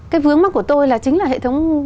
cái vướng mắt của tôi là chính là hệ thống